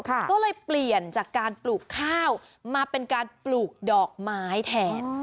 ก็เลยเปลี่ยนจากการปลูกข้าวมาเป็นการปลูกดอกไม้แทน